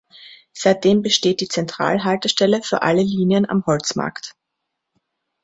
Seitdem besteht die Zentralhaltestelle für alle Linien am Holzmarkt.